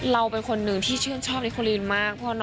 เราเป็นคนหนึ่งที่ชื่นชอบลิโคลีนมาก